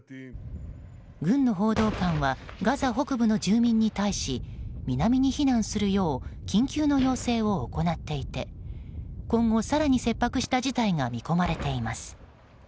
軍の報道官はガザ北部の住民に対し南に避難するよう緊急の要請を行っていて今後、更に切迫した事態が見込まれています。